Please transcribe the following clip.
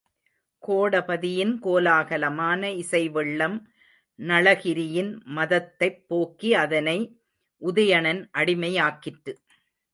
கோடபதியின் கோலாகலமான இசைவெள்ளம், நளகிரியின் மதத்தைப் போக்கி அதனை உதயணன் அடிமையாக்கிற்று.